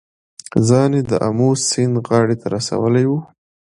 ځان یې د آمو سیند غاړې ته رسولی و.